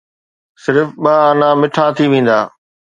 صرف ٻه آنا مٺا ٿي ويندا